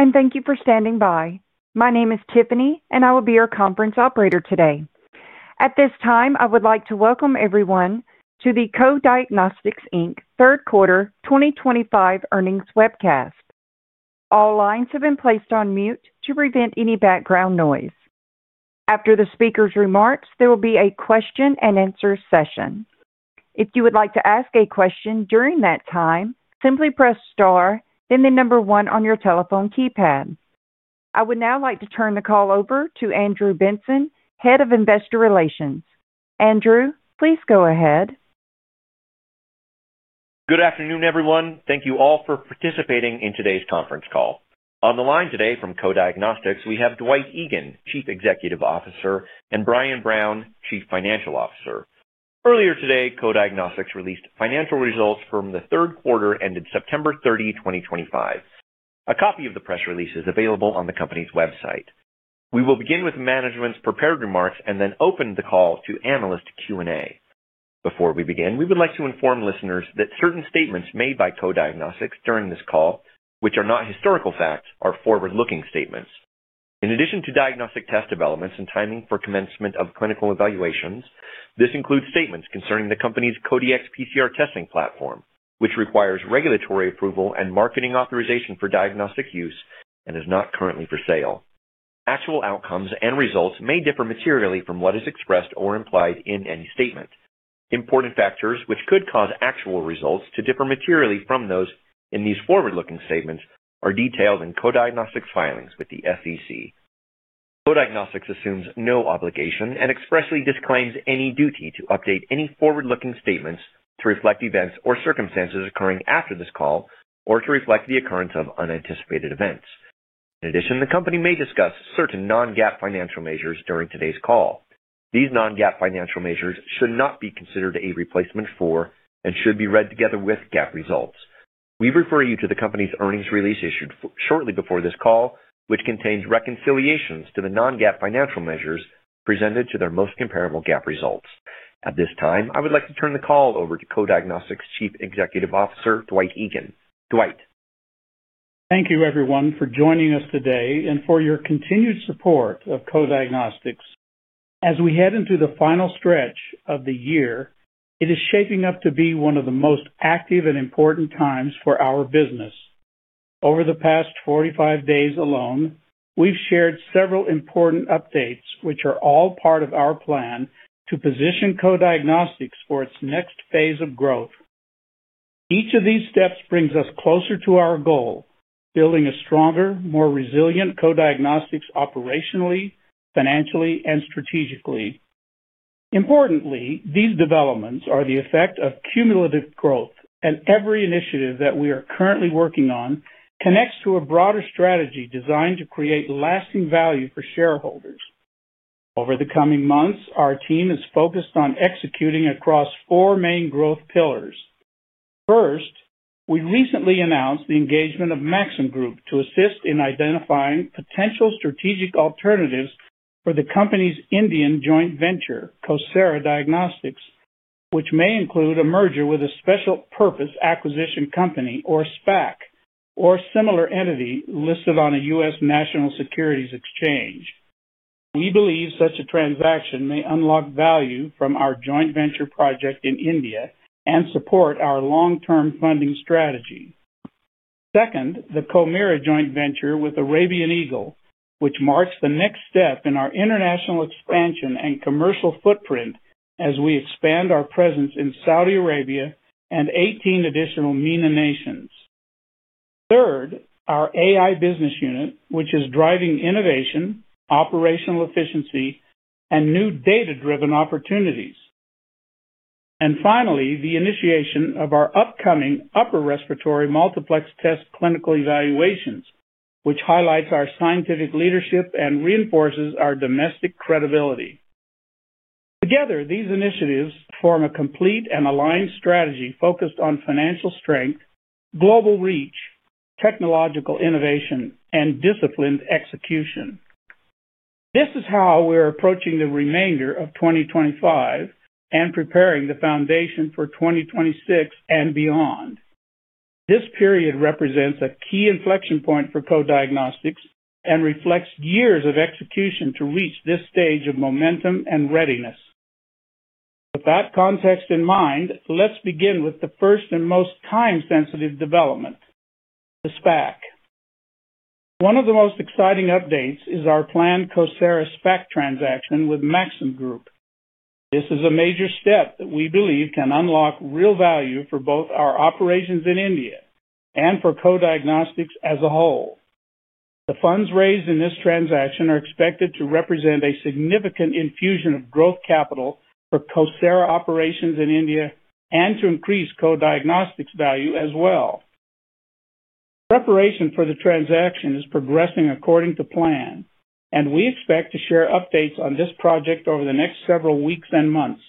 Hello, and thank you for standing by. My name is Tiffany, and I will be your conference operator today. At this time, I would like to welcome everyone to the Co-Diagnostics third quarter 2025 earnings webcast. All lines have been placed on mute to prevent any background noise. After the speaker's remarks, there will be a question-and-answer session. If you would like to ask a question during that time, simply press star, then the number one on your telephone keypad. I would now like to turn the call over to Andrew Benson, Head of Investor Relations. Andrew, please go ahead. Good afternoon, everyone. Thank you all for participating in today's conference call. On the line today from Co-Diagnostics, we have Dwight Egan, Chief Executive Officer, and Brian Brown, Chief Financial Officer. Earlier today, Co-Diagnostics released financial results from the third quarter ended September 30, 2025. A copy of the press release is available on the company's website. We will begin with management's prepared remarks and then open the call to analyst Q&A. Before we begin, we would like to inform listeners that certain statements made by Co-Diagnostics during this call, which are not historical facts, are forward-looking statements. In addition to diagnostic test developments and timing for commencement of clinical evaluations, this includes statements concerning the company's Co-Dx PCR testing platform, which requires regulatory approval and marketing authorization for diagnostic use and is not currently for sale. Actual outcomes and results may differ materially from what is expressed or implied in any statement. Important factors which could cause actual results to differ materially from those in these forward-looking statements are detailed in Co-Diagnostics' filings with the SEC. Co-Diagnostics assumes no obligation and expressly disclaims any duty to update any forward-looking statements to reflect events or circumstances occurring after this call or to reflect the occurrence of unanticipated events. In addition, the company may discuss certain non-GAAP financial measures during today's call. These non-GAAP financial measures should not be considered a replacement for and should be read together with GAAP results. We refer you to the company's earnings release issued shortly before this call, which contains reconciliations to the non-GAAP financial measures presented to their most comparable GAAP results. At this time, I would like to turn the call over to Co-Diagnostics' Chief Executive Officer, Dwight Egan. Dwight. Thank you, everyone, for joining us today and for your continued support of Co-Diagnostics. As we head into the final stretch of the year, it is shaping up to be one of the most active and important times for our business. Over the past 45 days alone, we've shared several important updates, which are all part of our plan to position Co-Diagnostics for its next phase of growth. Each of these steps brings us closer to our goal: building a stronger, more resilient Co-Diagnostics operationally, financially, and strategically. Importantly, these developments are the effect of cumulative growth, and every initiative that we are currently working on connects to a broader strategy designed to create lasting value for shareholders. Over the coming months, our team is focused on executing across four main growth pillars. First, we recently announced the engagement of Maxim Group to assist in identifying potential strategic alternatives for the company's Indian joint venture, CoSara Diagnostics, which may include a merger with a Special Purpose Acquisition Company or SPAC or similar entity listed on a U.S. national securities exchange. We believe such a transaction may unlock value from our joint venture project in India and support our long-term funding strategy. Second, the CoMira joint venture with Arabian Eagle, which marks the next step in our international expansion and commercial footprint as we expand our presence in Saudi Arabia and 18 additional MENA nations. Third, our AI business unit which is driving innovation, operational efficiency, and new data-driven opportunities. Finally, the initiation of our upcoming upper respiratory multiplex test clinical evaluations, which highlights our scientific leadership and reinforces our domestic credibility. Together, these initiatives form a complete and aligned strategy focused on financial strength, global reach, technological innovation, and disciplined execution. This is how we're approaching the remainder of 2025 and preparing the foundation for 2026 and beyond. This period represents a key inflection point for Co-Diagnostics and reflects years of execution to reach this stage of momentum and readiness. With that context in mind, let's begin with the first and most time-sensitive development, the SPAC. One of the most exciting updates is our planned CoSara SPAC transaction with Maxim Group. This is a major step that we believe can unlock real value for both our operations in India and for Co-Diagnostics as a whole. The funds raised in this transaction are expected to represent a significant infusion of growth capital for CoSara operations in India and to increase Co-Diagnostics' value as well. Preparation for the transaction is progressing according to plan, and we expect to share updates on this project over the next several weeks and months.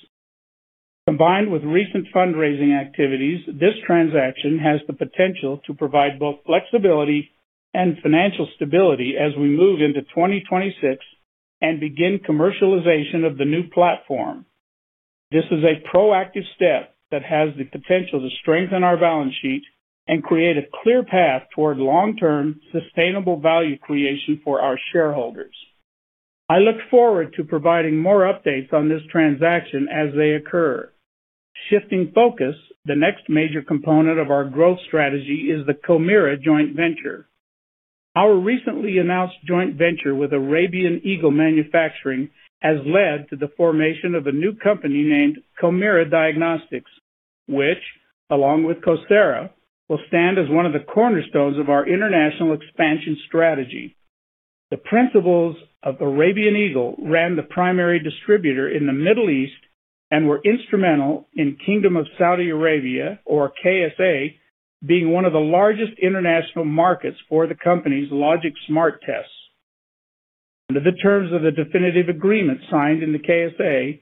Combined with recent fundraising activities, this transaction has the potential to provide both flexibility and financial stability as we move into 2026 and begin commercialization of the new platform. This is a proactive step that has the potential to strengthen our balance sheet and create a clear path toward long-term sustainable value creation for our shareholders. I look forward to providing more updates on this transaction as they occur. Shifting focus, the next major component of our growth strategy is the CoMira joint venture. Our recently announced joint venture with Arabian Eagle Manufacturing has led to the formation of a new company named CoMira Diagnostics, which, along with CoSara, will stand as one of the cornerstones of our international expansion strategy. The principals of Arabian Eagle ran the primary distributor in the Middle East, and were instrumental in Kingdom of Saudi Arabia, or KSA, being one of the largest international markets for the company's Logiq Smart tests. Under the terms of the definitive agreement signed in the KSA,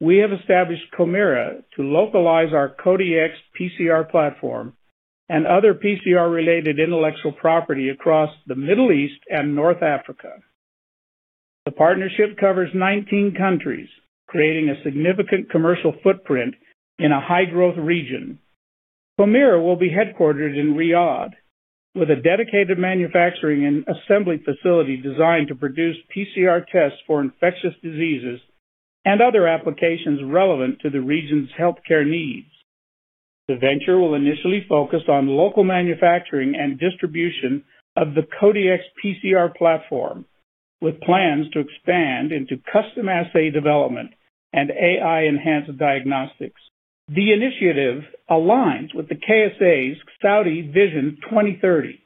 we have established CoMira to localize our Co-Dx PCR platform and other PCR-related intellectual property across the Middle East and North Africa. The partnership covers 19 countries, creating a significant commercial footprint in a high-growth region. CoMira will be headquartered in Riyadh, with a dedicated manufacturing and assembly facility designed to produce PCR tests for infectious diseases and other applications relevant to the region's healthcare needs. The venture will initially focus on local manufacturing and distribution of the Co-Dx PCR platform, with plans to expand into custom assay development and AI-enhanced diagnostics. The initiative aligns with the KSA's Saudi Vision 2030,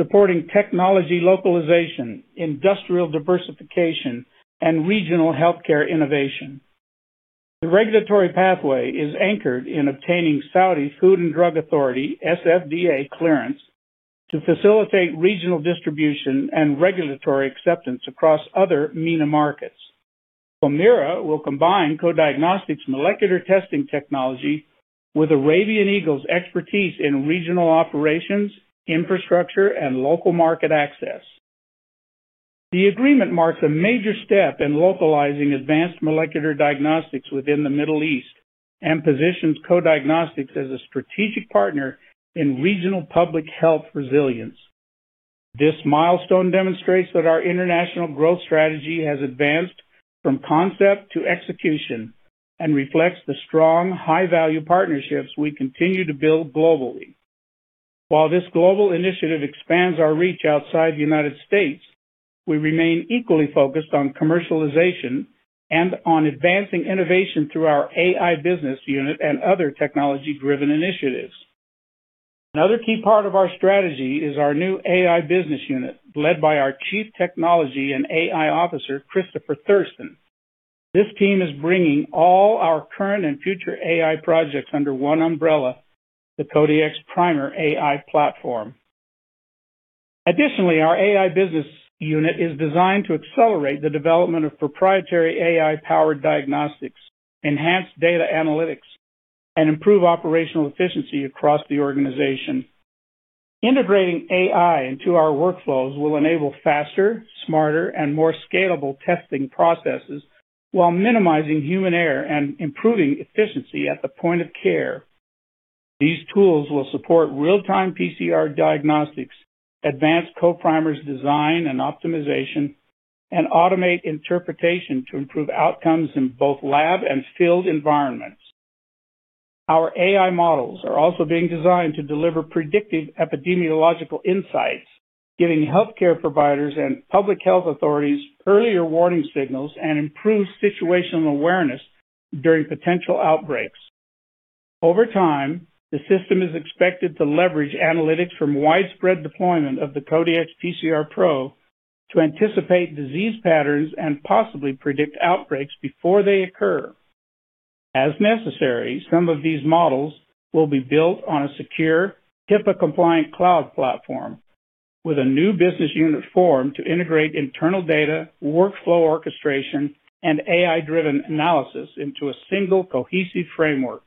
supporting technology localization, industrial diversification, and regional healthcare innovation. The regulatory pathway is anchored in obtaining Saudi Food and Drug Authority (SFDA) clearance to facilitate regional distribution and regulatory acceptance across other MENA markets. CoMira will combine Co-Diagnostics' molecular testing technology with Arabian Eagle's expertise in regional operations, infrastructure, and local market access. The agreement marks a major step in localizing advanced molecular diagnostics within the Middle East and positions Co-Diagnostics as a strategic partner in regional public health resilience. This milestone demonstrates that our international growth strategy has advanced from concept to execution and reflects the strong, high-value partnerships we continue to build globally. While this global initiative expands our reach outside the United States, we remain equally focused on commercialization and on advancing innovation through our AI business unit and other technology-driven initiatives. Another key part of our strategy is our new AI business unit, led by our Chief Technology and AI Officer, Christopher Thurston. This team is bringing all our current and future AI projects under one umbrella, the Co-Dx Primer AI platform. Additionally, our AI business unit is designed to accelerate the development of proprietary AI-powered diagnostics, enhance data analytics, and improve operational efficiency across the organization. Integrating AI into our workflows will enable faster, smarter, and more scalable testing processes while minimizing human error and improving efficiency at the point of care. These tools will support real-time PCR diagnostics, advance co-primers' design and optimization, and automate interpretation to improve outcomes in both lab and field environments. Our AI models are also being designed to deliver predictive epidemiological insights, giving healthcare providers and public health authorities earlier warning signals and improved situational awareness during potential outbreaks. Over time, the system is expected to leverage analytics from widespread deployment of the Co-Dx PCR Pro to anticipate disease patterns and possibly predict outbreaks before they occur. As necessary, some of these models will be built on a secure, HIPAA-compliant cloud platform, with a new business unit formed to integrate internal data, workflow orchestration, and AI-driven analysis into a single cohesive framework.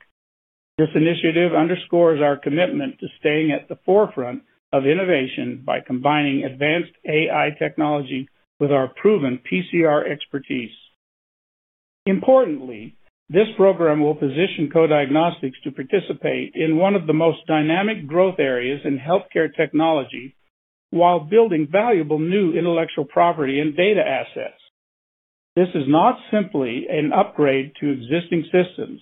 This initiative underscores our commitment to staying at the forefront of innovation by combining advanced AI technology with our proven PCR expertise. Importantly, this program will position Co-Diagnostics to participate in one of the most dynamic growth areas in healthcare technology while building valuable new intellectual property and data assets. This is not simply an upgrade to existing systems.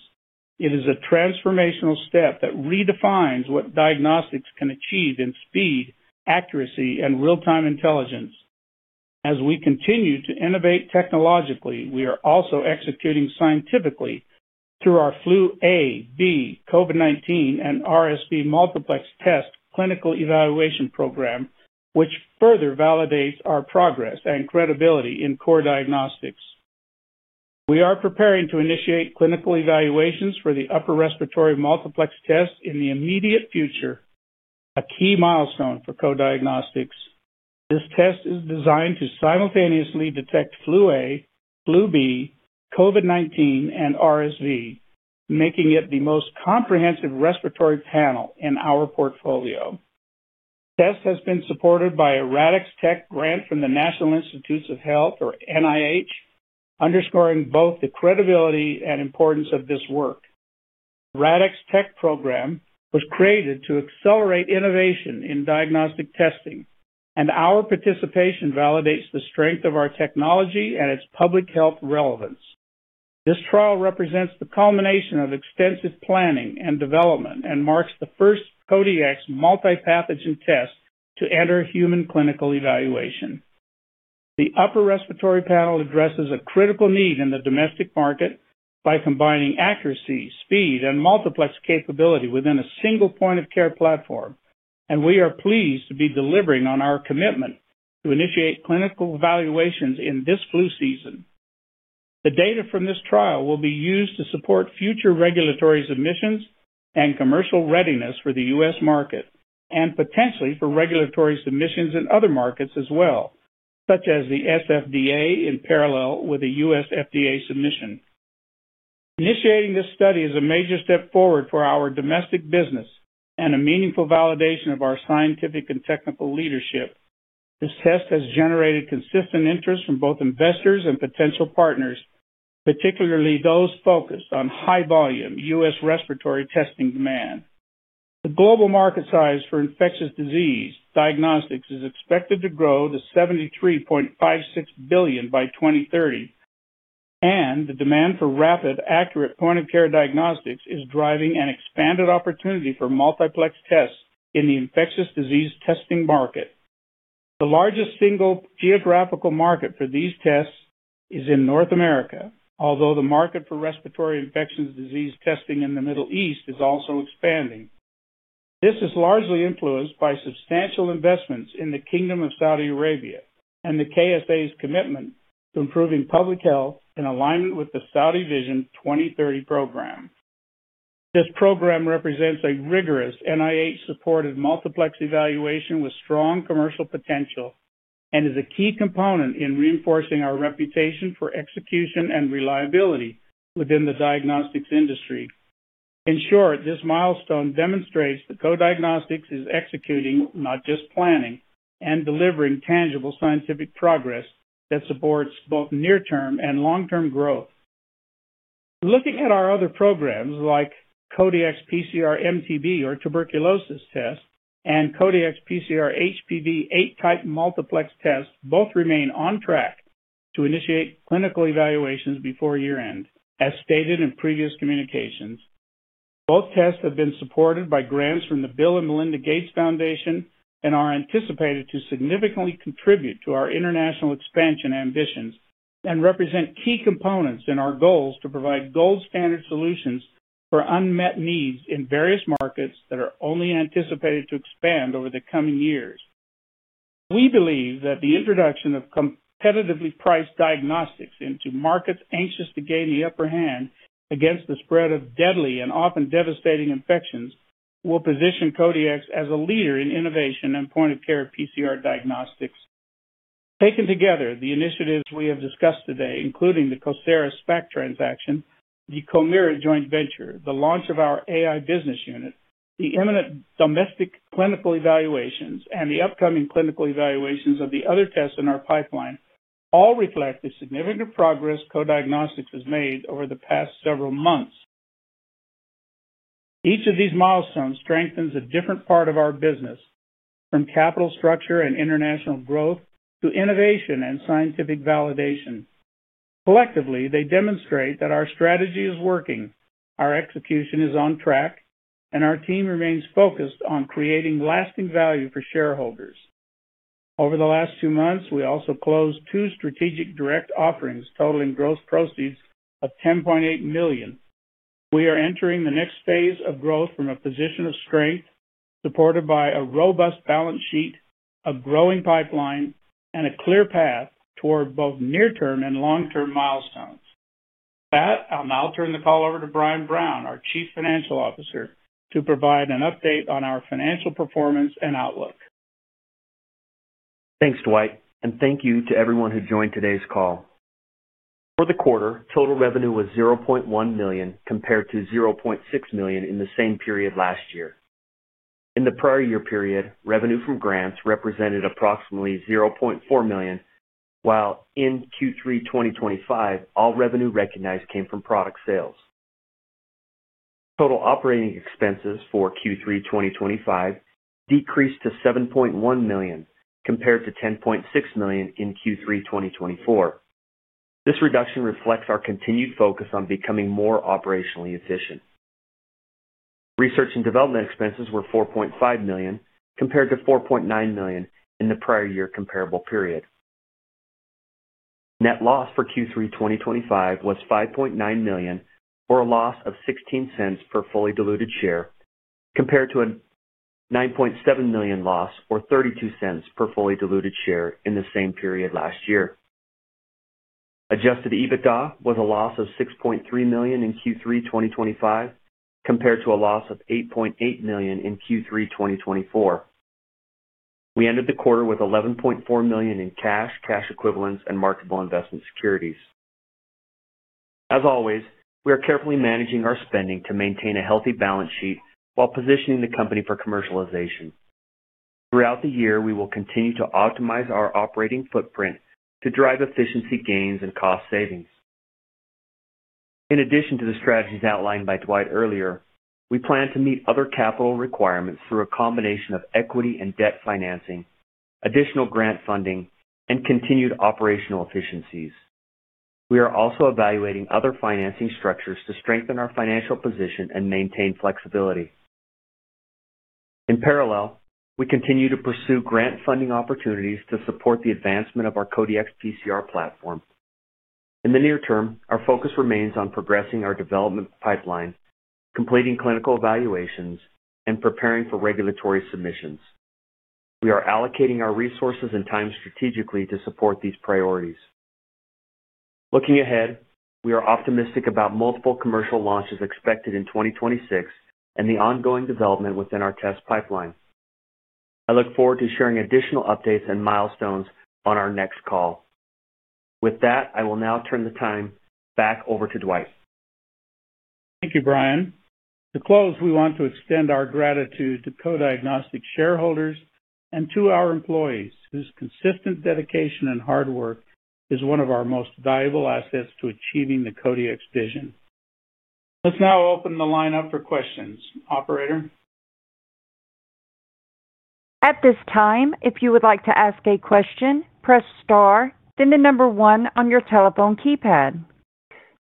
It is a transformational step that redefines what diagnostics can achieve in speed, accuracy, and real-time intelligence. As we continue to innovate technologically, we are also executing scientifically through our Flu A, B, COVID-19, and RSV multiplex test clinical evaluation program, which further validates our progress and credibility in Co-Diagnostics. We are preparing to initiate clinical evaluations for the upper respiratory multiplex test in the immediate future, a key milestone for Co-Diagnostics. This test is designed to simultaneously detect Flu A, Flu B, COVID-19, and RSV, making it the most comprehensive respiratory panel in our portfolio. The test has been supported by a RADx Tech grant from the National Institutes of Health, or NIH, underscoring both the credibility and importance of this work. The RADx Tech program was created to accelerate innovation in diagnostic testing, and our participation validates the strength of our technology and its public health relevance. This trial represents the culmination of extensive planning and development and marks the first Co-Dx multi-pathogen test to enter human clinical evaluation. The upper respiratory panel addresses a critical need in the domestic market by combining accuracy, speed, and multiplex capability within a single point-of-care platform, and we are pleased to be delivering on our commitment to initiate clinical evaluations in this flu season. The data from this trial will be used to support future regulatory submissions and commercial readiness for the U.S. market and potentially for regulatory submissions in other markets as well, such as the SFDA in parallel with a U.S. FDA submission. Initiating this study is a major step forward for our domestic business and a meaningful validation of our scientific and technical leadership. This test has generated consistent interest from both investors and potential partners, particularly those focused on high-volume U.S. respiratory testing demand. The global market size for infectious disease diagnostics is expected to grow to $73.56 billion by 2030, and the demand for rapid, accurate point-of-care diagnostics is driving an expanded opportunity for multiplex tests in the infectious disease testing market. The largest single geographical market for these tests is in North America, although the market for respiratory infectious disease testing in the Middle East is also expanding. This is largely influenced by substantial investments in the Kingdom of Saudi Arabia and the KSA's commitment to improving public health in alignment with the Saudi Vision 2030 program. This program represents a rigorous NIH-supported multiplex evaluation with strong commercial potential and is a key component in reinforcing our reputation for execution and reliability within the diagnostics industry. In short, this milestone demonstrates that Co-Diagnostics is executing, not just planning and delivering, tangible scientific progress that supports both near-term and long-term growth. Looking at our other programs, like Co-Dx PCR MTB or tuberculosis test and Co-Dx PCR HPV eight-type multiplex test, both remain on track to initiate clinical evaluations before year-end. As stated in previous communications, both tests have been supported by grants from the Bill & Melinda Gates Foundation and are anticipated to significantly contribute to our international expansion ambitions and represent key components in our goals to provide gold-standard solutions for unmet needs in various markets that are only anticipated to expand over the coming years. We believe that the introduction of competitively priced diagnostics into markets anxious to gain the upper hand against the spread of deadly and often devastating infections will position Co-Dx as a leader in innovation and point-of-care PCR diagnostics. Taken together, the initiatives we have discussed today, including the CoSara SPAC transaction, the CoMira joint venture, the launch of our AI business unit, the imminent domestic clinical evaluations, and the upcoming clinical evaluations of the other tests in our pipeline, all reflect the significant progress Co-Diagnostics has made over the past several months. Each of these milestones strengthens a different part of our business, from capital structure and international growth to innovation and scientific validation. Collectively, they demonstrate that our strategy is working, our execution is on track, and our team remains focused on creating lasting value for shareholders. Over the last two months, we also closed two strategic direct offerings totaling gross proceeds of $10.8 million. We are entering the next phase of growth from a position of strength, supported by a robust balance sheet, a growing pipeline, and a clear path toward both near-term and long-term milestones. With that, I'll now turn the call over to Brian Brown, our Chief Financial Officer, to provide an update on our financial performance and outlook. Thanks, Dwight, and thank you to everyone who joined today's call. Over the quarter, total revenue was $0.1 million compared to $0.6 million in the same period last year. In the prior year period, revenue from grants represented approximately $0.4 million, while in Q3 2025, all revenue recognized came from product sales. Total operating expenses for Q3 2025 decreased to $7.1 million compared to $10.6 million in Q3 2024. This reduction reflects our continued focus on becoming more operationally efficient. Research and development expenses were $4.5 million compared to $4.9 million in the prior year comparable period. Net loss for Q3 2025 was $5.9 million, or a loss of $0.16 per fully diluted share, compared to a $9.7 million loss, or $0.32 per fully diluted share, in the same period last year. Adjusted EBITDA was a loss of $6.3 million in Q3 2025 compared to a loss of $8.8 million in Q3 2024. We ended the quarter with $11.4 million in cash, cash equivalents, and marketable investment securities. As always, we are carefully managing our spending to maintain a healthy balance sheet while positioning the company for commercialization. Throughout the year, we will continue to optimize our operating footprint to drive efficiency gains and cost savings. In addition to the strategies outlined by Dwight earlier, we plan to meet other capital requirements through a combination of equity and debt financing, additional grant funding, and continued operational efficiencies. We are also evaluating other financing structures to strengthen our financial position and maintain flexibility. In parallel, we continue to pursue grant funding opportunities to support the advancement of our Co-Dx PCR platform. In the near term, our focus remains on progressing our development pipeline, completing clinical evaluations, and preparing for regulatory submissions. We are allocating our resources and time strategically to support these priorities. Looking ahead, we are optimistic about multiple commercial launches expected in 2026 and the ongoing development within our test pipeline. I look forward to sharing additional updates and milestones on our next call. With that, I will now turn the time back over to Dwight. Thank you, Brian. To close, we want to extend our gratitude to Co-Diagnostics shareholders and to our employees, whose consistent dedication and hard work is one of our most valuable assets to achieving the Co-Dx vision. Let's now open the line up for questions. Operator. At this time, if you would like to ask a question, press star, then the number one on your telephone keypad.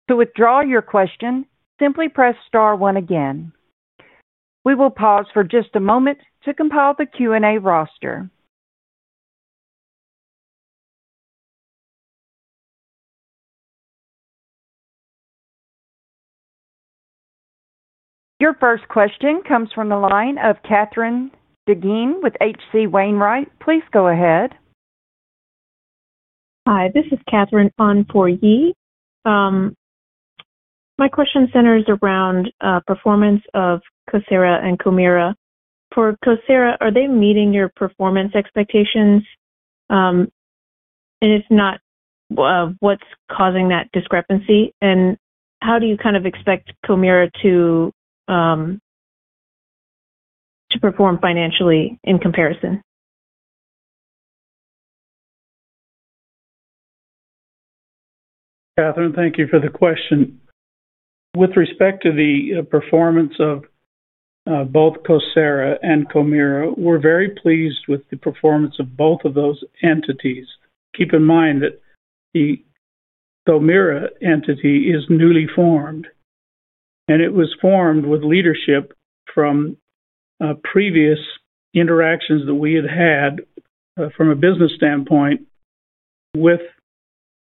To withdraw your question, simply press star one again. We will pause for just a moment to compile the Q&A roster. Your first question comes from the line of Katherine Degene with HC Wainwright. Please go ahead. Hi, this is Katherine on for Yee. My question centers around performance of CoSara and CoMira. For CoSara, are they meeting your performance expectations? If not, what's causing that discrepancy? How do you kind of expect CoMira to perform financially in comparison? Katherine, thank you for the question. With respect to the performance of both CoSara and CoMira, we're very pleased with the performance of both of those entities. Keep in mind that the CoMira entity is newly formed, and it was formed with leadership from previous interactions that we had had from a business standpoint with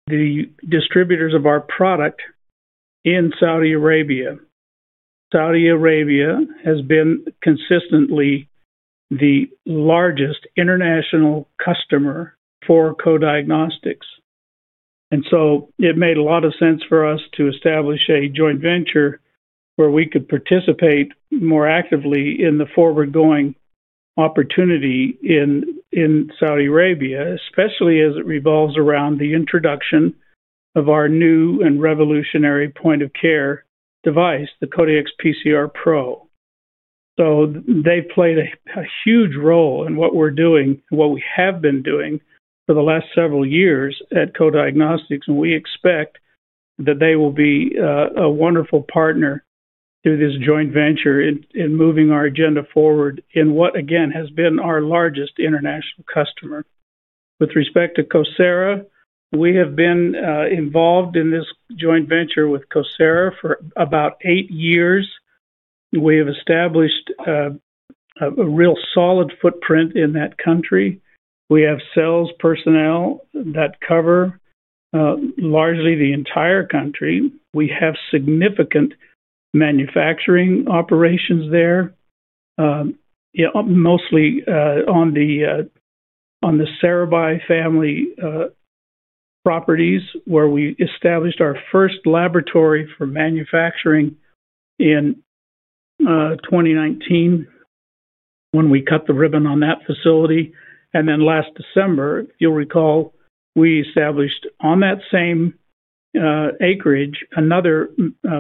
the distributors of our product in Saudi Arabia. Saudi Arabia has been consistently the largest international customer for Co-Diagnostics. It made a lot of sense for us to establish a joint venture where we could participate more actively in the forward-going opportunity in Saudi Arabia, especially as it revolves around the introduction of our new and revolutionary point-of-care device, the Co-Dx PCR Pro. They've played a huge role in what we're doing and what we have been doing for the last several years at Co-Diagnostics, and we expect that they will be a wonderful partner through this joint venture in moving our agenda forward in what, again, has been our largest international customer. With respect to CoSara, we have been involved in this joint venture with CoSara for about eight years. We have established a real solid footprint in that country. We have sales personnel that cover largely the entire country. We have significant manufacturing operations there, mostly on the Sarabhai family properties, where we established our first laboratory for manufacturing in 2019 when we cut the ribbon on that facility. Last December, if you'll recall, we established on that same acreage another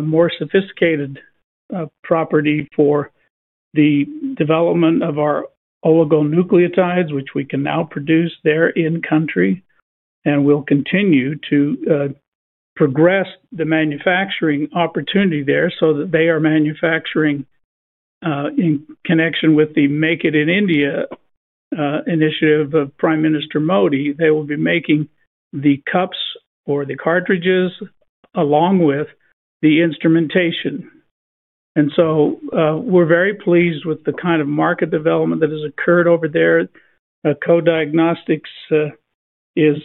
more sophisticated property for the development of our oligonucleotides, which we can now produce there in country. We will continue to progress the manufacturing opportunity there so that they are manufacturing in connection with the Make in India initiative of Prime Minister Modi. They will be making the cups or the cartridges along with the instrumentation. We are very pleased with the kind of market development that has occurred over there. Co-Diagnostics is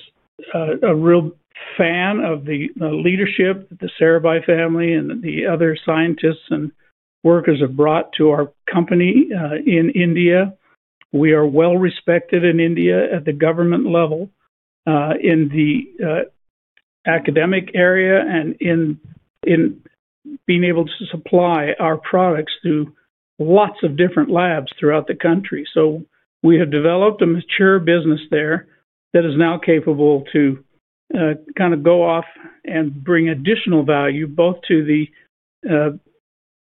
a real fan of the leadership that the Sarabhai family and the other scientists and workers have brought to our company in India. We are well respected in India at the government level, in the academic area, and in being able to supply our products through lots of different labs throughout the country. We have developed a mature business there that is now capable to kind of go off and bring additional value both to the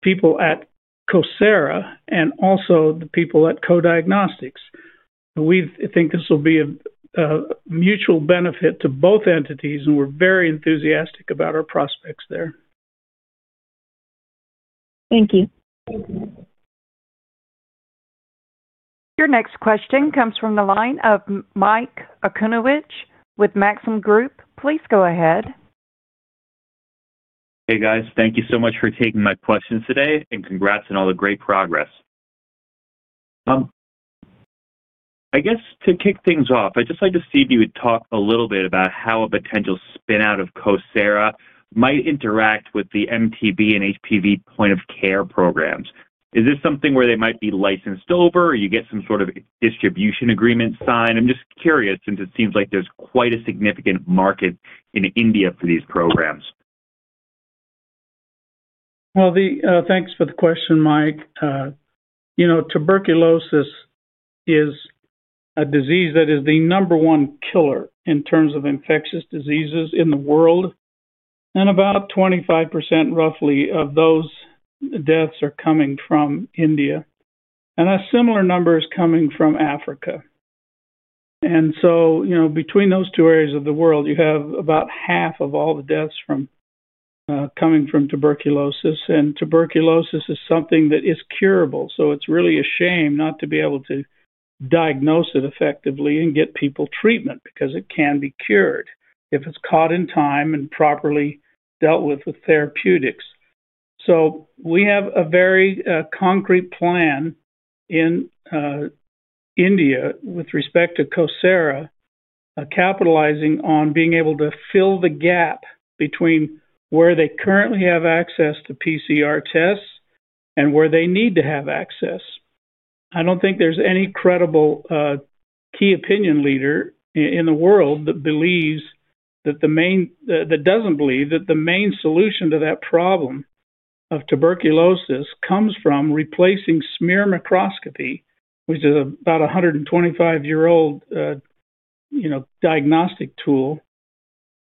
people at CoSara and also the people at Co-Diagnostics. We think this will be a mutual benefit to both entities, and we're very enthusiastic about our prospects there. Thank you. Your next question comes from the line of Mike Akunowicz with Maxim Group. Please go ahead. Hey, guys. Thank you so much for taking my questions today, and congrats on all the great progress. I guess to kick things off, I'd just like to see if you would talk a little bit about how a potential spin-out of CoSara might interact with the MTB and HPV point-of-care programs. Is this something where they might be licensed over, or you get some sort of distribution agreement signed? I'm just curious since it seems like there's quite a significant market in India for these programs. Thanks for the question, Mike. Tuberculosis is a disease that is the number one killer in terms of infectious diseases in the world, and about 25% roughly of those deaths are coming from India. A similar number is coming from Africa. Between those two areas of the world, you have about half of all the deaths coming from tuberculosis. Tuberculosis is something that is curable. It's really a shame not to be able to diagnose it effectively and get people treatment because it can be cured if it's caught in time and properly dealt with with therapeutics. We have a very concrete plan in India with respect to CoSara, capitalizing on being able to fill the gap between where they currently have access to PCR tests and where they need to have access. I don't think there's any credible key opinion leader in the world that believes that the main, that doesn't believe that the main solution to that problem of tuberculosis comes from replacing smear microscopy, which is about a 125-year-old diagnostic tool.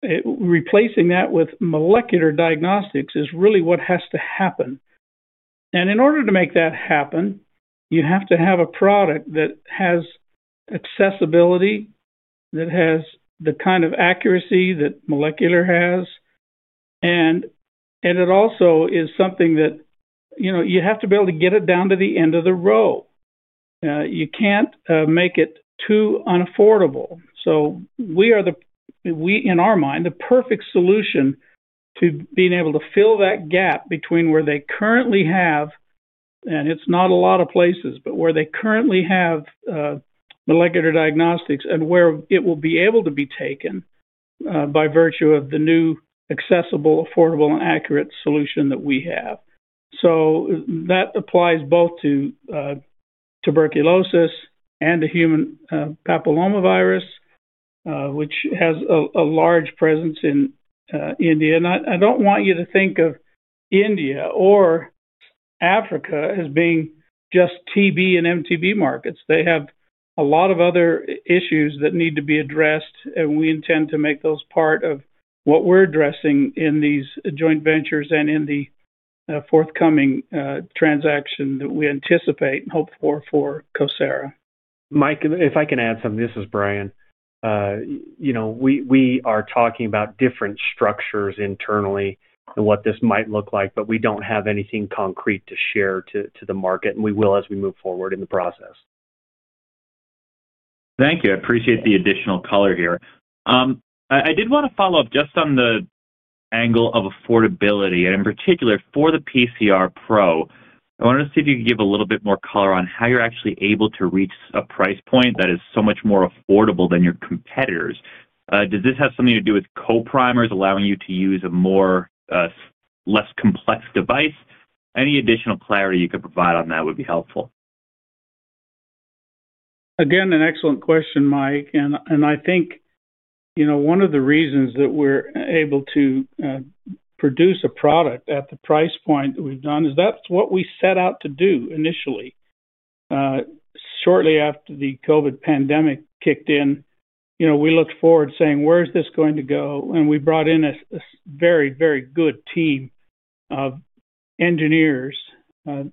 Replacing that with molecular diagnostics is really what has to happen. In order to make that happen, you have to have a product that has accessibility, that has the kind of accuracy that molecular has. It also is something that you have to be able to get it down to the end of the row. You can't make it too unaffordable. We are, in our mind, the perfect solution to being able to fill that gap between where they currently have, and it's not a lot of places, but where they currently have molecular diagnostics, and where it will be able to be taken by virtue of the new accessible, affordable, and accurate solution that we have. That applies both to tuberculosis and the human papillomavirus, which has a large presence in India. I don't want you to think of India or Africa as being just TB and MTB markets. They have a lot of other issues that need to be addressed, and we intend to make those part of what we're addressing in these joint ventures and in the forthcoming transaction that we anticipate and hope for for CoSara. Mike, if I can add something, this is Brian. We are talking about different structures internally and what this might look like, but we do not have anything concrete to share to the market, and we will as we move forward in the process. Thank you. I appreciate the additional color here. I did want to follow up just on the angle of affordability. In particular, for the PCR Pro, I wanted to see if you could give a little bit more color on how you are actually able to reach a price point that is so much more affordable than your competitors. Does this have something to do with co-primers allowing you to use a less complex device? Any additional clarity you could provide on that would be helpful. Again, an excellent question, Mike. I think one of the reasons that we're able to produce a product at the price point that we've done is that's what we set out to do initially. Shortly after the COVID pandemic kicked in, we looked forward, saying, "Where is this going to go?" We brought in a very, very good team of engineers and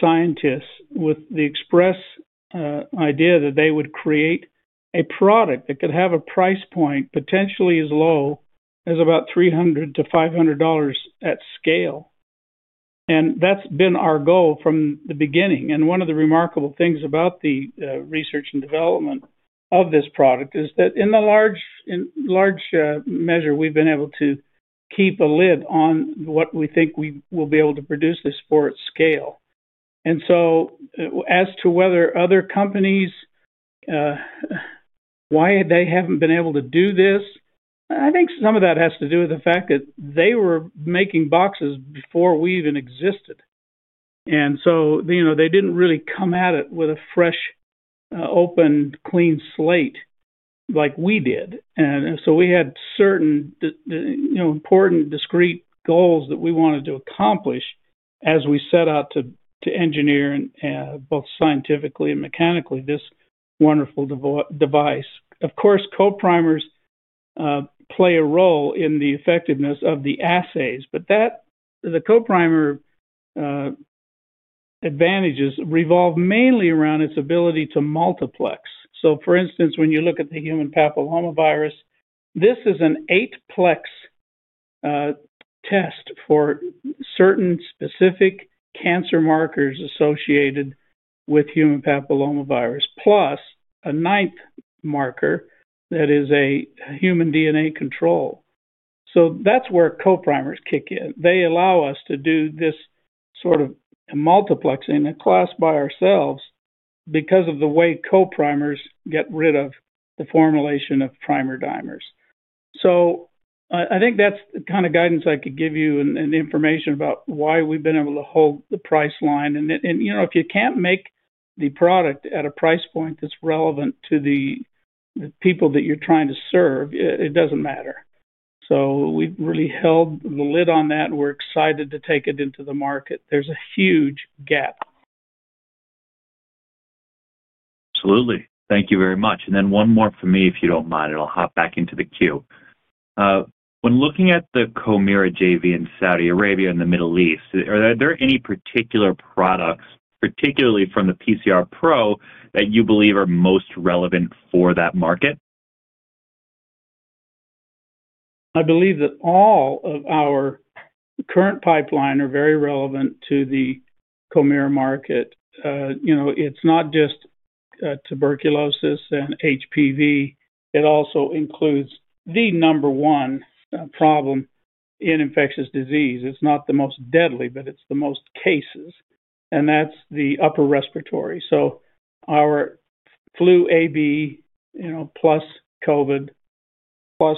scientists with the express idea that they would create a product that could have a price point potentially as low as about $300-$500 at scale. That's been our goal from the beginning. One of the remarkable things about the research and development of this product is that, in a large measure, we've been able to keep a lid on what we think we will be able to produce this for at scale. As to whether other companies, why they haven't been able to do this, I think some of that has to do with the fact that they were making boxes before we even existed. They didn't really come at it with a fresh, open, clean slate like we did. We had certain important discrete goals that we wanted to accomplish as we set out to engineer both scientifically and mechanically this wonderful device. Of course, co-primers play a role in the effectiveness of the assays, but the co-primer advantages revolve mainly around its ability to multiplex. For instance, when you look at the human papillomavirus, this is an eight-plex test for certain specific cancer markers associated with human papillomavirus, plus a ninth marker that is a human DNA control. That's where co-primers kick in. They allow us to do this sort of multiplexing and classify ourselves because of the way co-primers get rid of the formulation of primer dimers. I think that's the kind of guidance I could give you and information about why we've been able to hold the price line. If you can't make the product at a price point that's relevant to the people that you're trying to serve, it doesn't matter. We've really held the lid on that, and we're excited to take it into the market. There's a huge gap. Absolutely. Thank you very much. And then one more for me, if you do not mind, and I will hop back into the queue. When looking at the CoMira JV in Saudi Arabia and the Middle East, are there any particular products, particularly from the PCR Pro, that you believe are most relevant for that market? I believe that all of our current pipeline are very relevant to the CoMira market. It's not just tuberculosis and HPV. It also includes the number one problem in infectious disease. It's not the most deadly, but it's the most cases. That is the upper respiratory. Our flu A, B plus COVID plus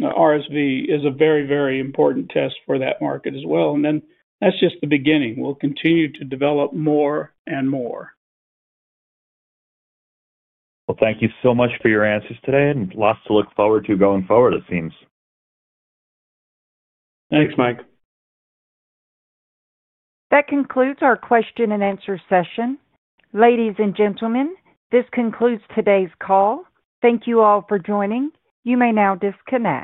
RSV is a very, very important test for that market as well. That is just the beginning. We'll continue to develop more and more. Thank you so much for your answers today, and lots to look forward to going forward, it seems. Thanks, Mike. That concludes our question-and-answer session. Ladies and gentlemen, this concludes today's call. Thank you all for joining. You may now disconnect.